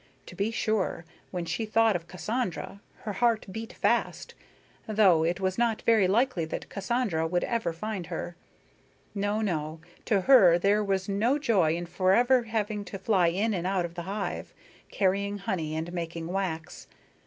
To be sure, when she thought of Cassandra, her heart beat fast, though it was not very likely that Cassandra would ever find her. No, no, to her there was no joy in forever having to fly in and out of the hive, carrying honey and making wax.